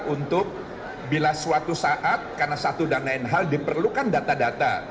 untuk bila suatu saat karena satu dan lain hal diperlukan data data